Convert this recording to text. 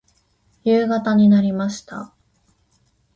夕方になりました。